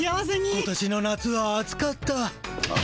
今年の夏は暑かった。